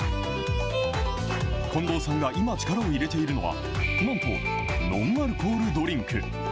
近藤さんが今力を入れているのは、なんとノンアルコールドリンク。